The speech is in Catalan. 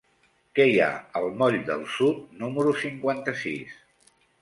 Què hi ha al moll del Sud número cinquanta-sis?